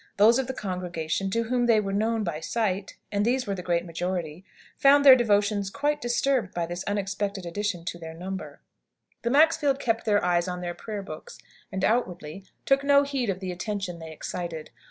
Those of the congregation to whom they were known by sight and these were the great majority found their devotions quite disturbed by this unexpected addition to their number. The Maxfields kept their eyes on their prayer books, and, outwardly, took no heed of the attention they excited.